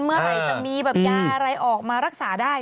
เมื่อไหร่จะมีแบบยาอะไรออกมารักษาได้